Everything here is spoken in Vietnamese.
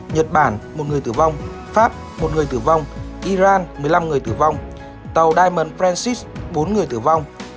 nhật bản một người tử vong pháp một người tử vong iran một mươi năm người tử vong tàu diamond francis bốn người tử vong